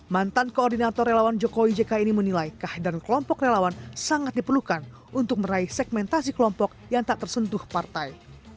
mantan koordinator relawan jokowi jk ini menilai kehadiran kelompok relawan sangat diperlukan untuk meraih segmentasi kelompok yang tak tersentuh partai